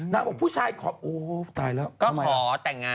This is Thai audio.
นางบอกพ่อพ่อผู้ชายก็ขอแต่งงาน